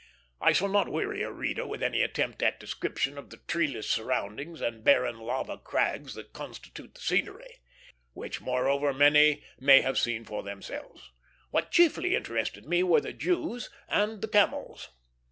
I shall not weary a reader with any attempt at description of the treeless surroundings and barren lava crags that constitute the scenery; which, moreover, many may have seen for themselves. What chiefly interested me were the Jews and the camels.